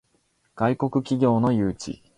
外国企業の誘致